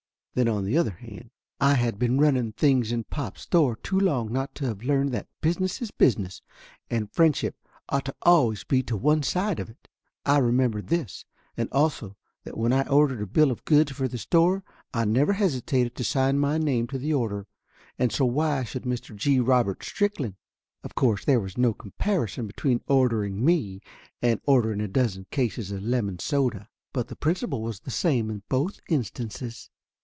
Then, on the other hand, I'd been running things in pop's store too long not to of learned that business is business and friendship ought always to be to one side of it. I remembered this, and also that when I ordered a bill of goods for the store I never hesitated to sign my name to the order and so why should Mr. G. Robert Strickland ? Of course there was no comparison between order 30 Laughter Limited ing me and ordering a dozen cases of lemon soda. But the principle was the same in both instances.